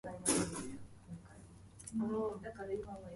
What does it matter — they were all just people.